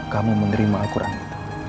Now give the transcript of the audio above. kamu menerima akuran itu